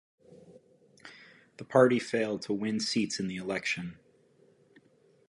The party failed to win seats in the election.